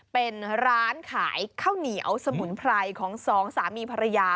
เป็นร้านขายข้าวเหนียวสมุนไพรของสองสามีภรรยา